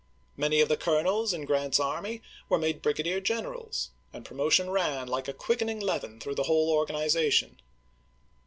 Many of the colonels in Grant's army were made brigadier gen erals; and promotion ran, like a quickening leaven, through the whole organization.